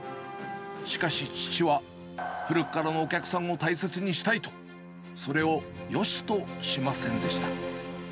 しかし、父は古くからのお客さんを大切にしたいと、それをよしとしませんでした。